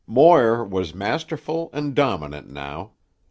Moir was masterful and dominant now.